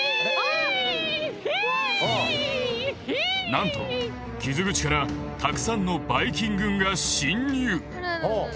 なんと傷口からたくさんのバイ菌軍が侵入。